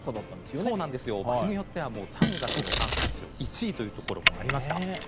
ところによっては３月の観測史上１位のところもありました。